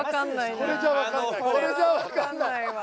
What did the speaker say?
これじゃわかんない。